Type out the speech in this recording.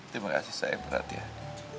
terima kasih sayang perhatian